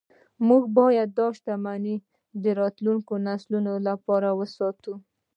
موږ باید دا شتمني د راتلونکو نسلونو لپاره وساتو